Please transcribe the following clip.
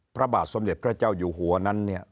พระบาทสมเด็จพระเจ้าอยู่หัวนั้นเนี่ย